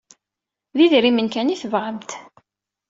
D idrimen kan ay tebɣamt.